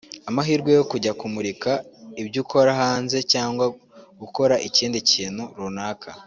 amahirwe yo kujya kumurika ibyo ukora hanze cyangwa gukora ikindi kintu runaka